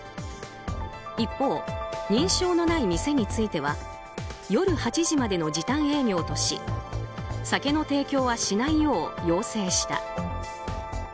一方、認証のない店については夜８時までの時短営業とし酒の提供はしないよう要請した。